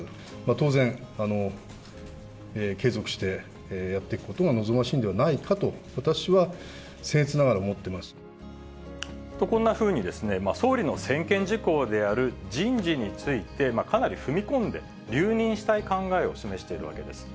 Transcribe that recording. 当然、継続してやっていくことが望ましいのではないかと、私はせん越なと、こんなふうにですね、総理の専権事項である人事について、かなり踏み込んで、留任したい考えを示しているわけです。